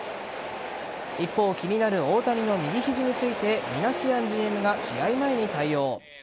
一方、気になる大谷の右肘についてミナシアンＧＭが試合前に対応。